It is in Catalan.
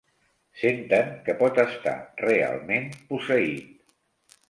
Senten que pot estar realment "posseït".